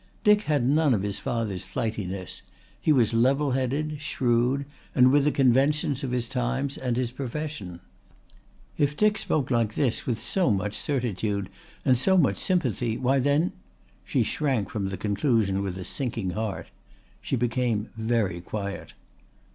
Dick had none of his father's flightiness. He was level headed, shrewd and with the conventions of his times and his profession. If Dick spoke like this, with so much certitude and so much sympathy, why then She shrank from the conclusion with a sinking heart. She became very quiet.